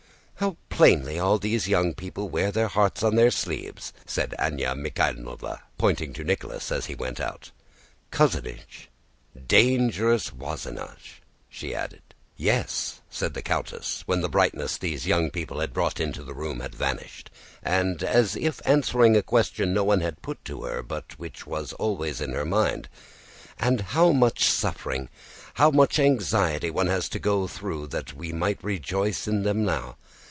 "How plainly all these young people wear their hearts on their sleeves!" said Anna Mikháylovna, pointing to Nicholas as he went out. "Cousinage—dangereux voisinage," * she added. * Cousinhood is a dangerous neighborhood. "Yes," said the countess when the brightness these young people had brought into the room had vanished; and as if answering a question no one had put but which was always in her mind, "and how much suffering, how much anxiety one has had to go through that we might rejoice in them now!